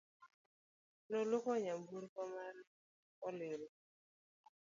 Noluoko nyamburko mane olil